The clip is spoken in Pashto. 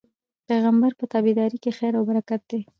د پيغمبر په تابعدارۍ کي خير او برکت دی